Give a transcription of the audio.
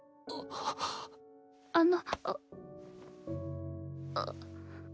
あの。